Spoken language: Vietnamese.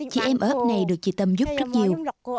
chị em ở ấp này được chị tâm giúp rất nhiều